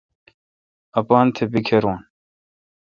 اپان تھ بیکھر رون۔